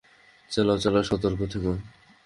চালাও, চালাও সতর্ক থেকো!